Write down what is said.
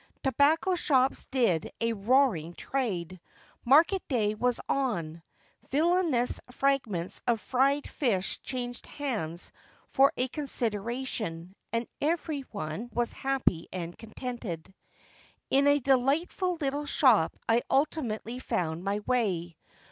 Tobacco shops did a roaring trade — market day was on. Vil lainous fragments of fried fish changed hands for a consideration, and everyone was happy and contented. Into a delightful little shop I ultimately found my way.